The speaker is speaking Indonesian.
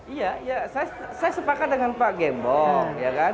iya ya saya sepakat dengan pak gembong